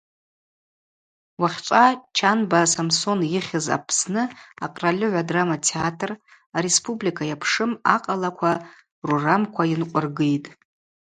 Уахьчӏва Чанба Самсон йыхьыз Апсны акъральыгӏва драма театр, ареспублика йапшым акъалаква рурамква йынкъвыргитӏ.